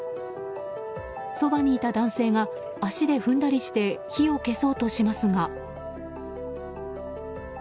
そばにいた男性が足で踏んだりして火を消そうとしますが。